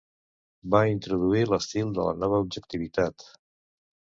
Va introduir l'estil de la nova objectivitat.